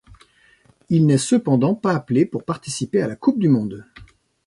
Il n'est cependant pas appelé pour participer à la Coupe du monde.